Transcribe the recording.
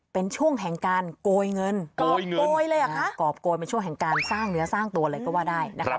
เป็นช่วงแห่งการโกยเงินกรอบโกยเลยเหรอคะกรอบโกยเป็นช่วงแห่งการสร้างเนื้อสร้างตัวเลยก็ว่าได้นะครับ